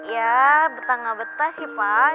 ya betah gak betah sih pak